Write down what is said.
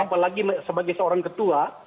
apalagi sebagai seorang ketua